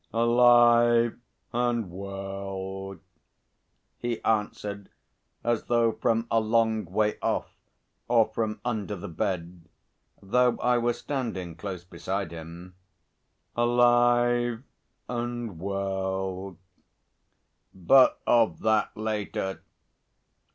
"Alive and well," he answered, as though from a long way off or from under the bed, though I was standing close beside him. "Alive and well; but of that later....